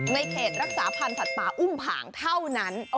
เขตรักษาพันธ์สัตว์ป่าอุ้มผ่างเท่านั้น